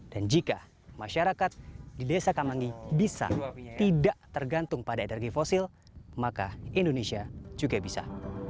dan jika masyarakat di desa kamanggi bisa tidak tergantung pada energi fosil maka indonesia juga bisa